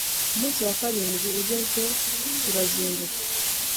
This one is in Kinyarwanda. Umusi wa karindwi ugeze turazinduka